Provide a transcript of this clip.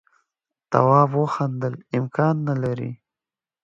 تواب وخندل امکان نه لري.